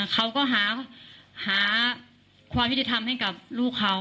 เขาก็หาความที่จะทำให้กับลูกเขา